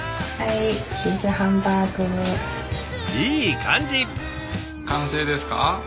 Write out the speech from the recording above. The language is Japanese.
いい感じ！